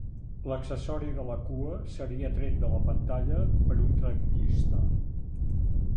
L'accessori de la cua seria tret de la pantalla per un tramoista.